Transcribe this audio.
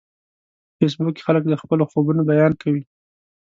په فېسبوک کې خلک د خپلو خوبونو بیان کوي